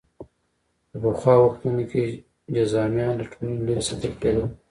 په پخوا وختونو کې جذامیان له ټولنې لرې ساتل کېدل.